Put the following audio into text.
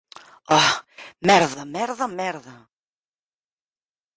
Oh, merda, merda, merda!